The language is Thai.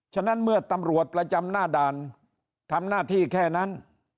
ฉะนั้นเมื่อตำรวจประจำหน้าด่านทำหน้าที่แค่นั้น